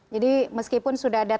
jadi meskipun sudah ada